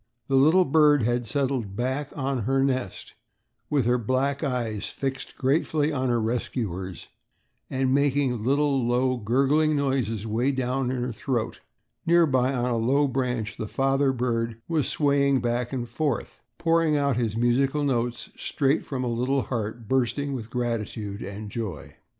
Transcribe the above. The little bird had settled back on her nest with her black eyes fixed gratefully on her rescuers and making little, low, gurgling noises way down in her throat. Nearby on a low branch the father bird was swaying back and forth, pouring out his musical notes straight from a little heart bursting with gratitude and joy.